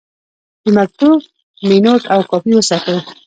د مکتوب مینوټ او کاپي وساتئ.